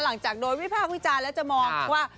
หลังจากโดยพิพาทพุทธจานแล้วจะมองว่า